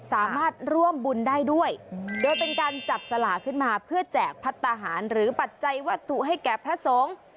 สามารถร่วมบุญได้ด้วยโดยเป็นการจับสลากขึ้นมาเพื่อแจกพัฒนาหารหรือปัจจัยวัตถุให้แก่พระสงฆ์